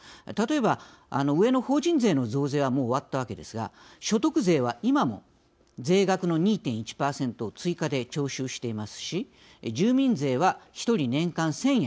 例えば、上の法人税の増税はもう終わったわけですが所得税は今も税額の２．１％を追加で徴収していますし住民税は一人年間１０００円